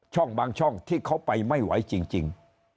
บางช่องที่เขาไปไม่ไหวจริง